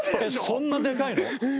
そんなでかいの？